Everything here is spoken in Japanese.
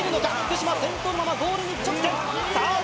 福島先頭のままゴールに一直線さあ